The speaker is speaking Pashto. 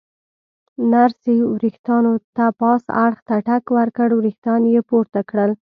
نرسې ورېښتانو ته پاس اړخ ته ټک ورکړ، ورېښتان یې پورته کړل.